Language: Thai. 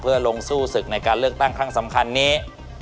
เพื่อลงสู้ศึกในการเลือกตั้งครั้งสำคัญนี้